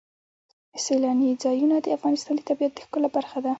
سیلانی ځایونه د افغانستان د طبیعت د ښکلا برخه ده.